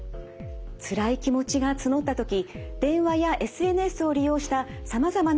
つらい気持ちが募った時電話やＳＮＳを利用したさまざまな相談窓口があります。